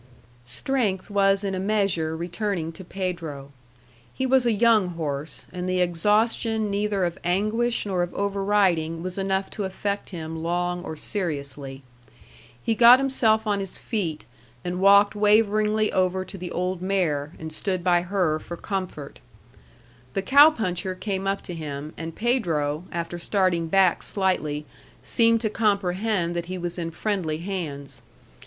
Strength was in a measure returning to Pedro. He was a young horse, and the exhaustion neither of anguish nor of over riding was enough to affect him long or seriously. He got himself on his feet and walked waveringly over to the old mare, and stood by her for comfort. The cow puncher came up to him, and Pedro, after starting back slightly, seemed to comprehend that he was in friendly hands.